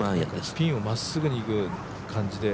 ピンをまっすぐにいく感じで。